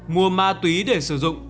mua ma túy để sử dụng